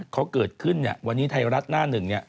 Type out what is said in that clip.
เขาเกิดขึ้นวันนี้ไทยรัฐหน้าหนึ่ง